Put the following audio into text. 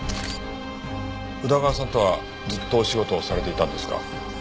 宇田川さんとはずっとお仕事をされていたんですか？